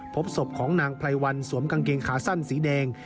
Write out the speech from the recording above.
พบศพของนางไพรวันสวมกางเกงขาสั้นสีแดง